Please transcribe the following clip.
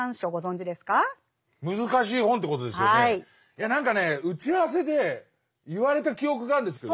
いや何かね打ち合わせで言われた記憶があるんですけど。